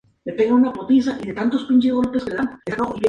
El cerco se va cerrando sobre ella.